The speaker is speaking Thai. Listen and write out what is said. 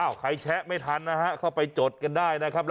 อ้าวใครแชะไม่ทันไปจดได้นะครับ